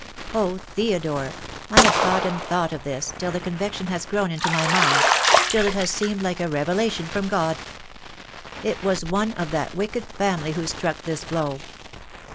Oh, Theodore, I have thought and thought of this, till the conviction has grown into my mind — till it has seemed like a revelation from God. It was one of that wicked family who struck this blow."